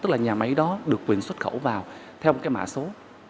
tức là nhà máy đó được quyền xuất khẩu vào theo một cái mã số